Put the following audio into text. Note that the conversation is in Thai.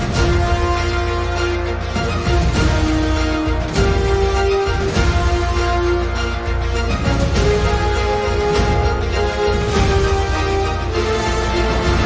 ผมสร้างโลก๒ใบ